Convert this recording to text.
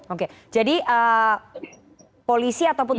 oke jadi polisi ataupun